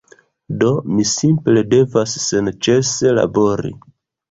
Do mi simple devas senĉese labori.